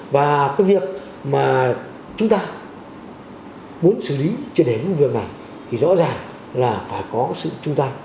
và cái việc mà chúng ta muốn xử lý trên đếm vườn này thì rõ ràng là phải có sự chung tay